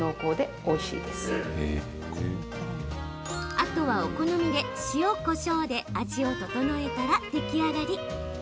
あとはお好みで、塩、こしょうで味を調えたら出来上がり。